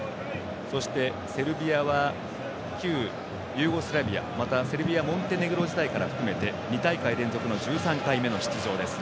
そしてセルビアは旧ユーゴスラビア、そしてセルビア・モンテネグロを含めて２大会連続の１３回目の出場です。